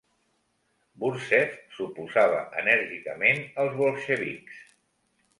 Burtsev s'oposava enèrgicament als bolxevics.